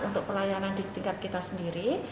untuk pelayanan di tingkat kita sendiri